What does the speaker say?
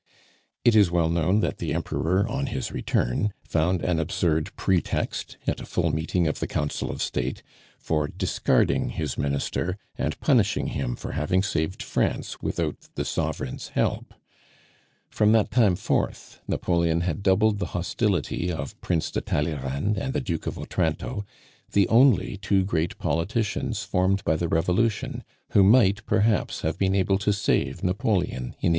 It is well known that the Emperor on his return found an absurd pretext, at a full meeting of the Council of State, for discarding his Minister and punishing him for having saved France without the Sovereign's help. From that time forth, Napoleon had doubled the hostility of Prince de Talleyrand and the Duke of Otranto, the only two great politicians formed by the Revolution, who might perhaps have been able to save Napoleon in 1813.